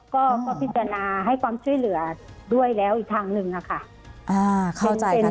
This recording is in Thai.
ค่าทศแทนและค่าใช้จ่าย